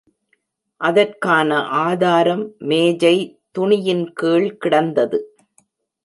அதற்கான ஆதாரம் மேஜை துணியின் கீழ் கிடந்தது.